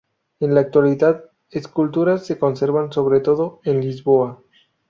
En la actualidad esculturas se conservan, sobre todo, en Lisboa.